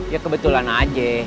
ya kebetulan aja